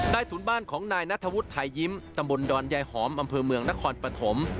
ถุนบ้านของนายนัทธวุฒิไทยยิ้มตำบลดอนยายหอมอำเภอเมืองนครปฐม